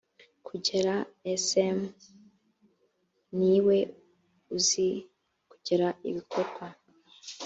kugera sm ni we uzi kugera ibikorwa